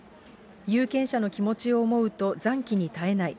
有権者の気持ちを思うとざんきに堪えない。